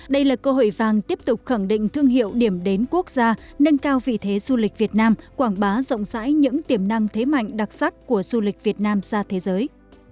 đây là cơ hội vàng tiếp tục khẳng định thương hiệu điểm đến quốc gia nâng cao vị thế du lịch việt nam quảng bá rộng rãi những tiềm năng thế mạnh đặc sắc của du lịch việt nam ra thế giới